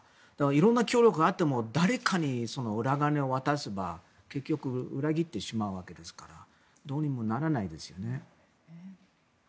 色んな協力があっても誰かに裏金を渡せば結局裏切ってしまうわけですからどうにもならないですよね。